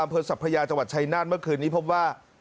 อำเภินศัพท์พระยาจังหวัดชัยนาศเมื่อคืนนี้พบว่า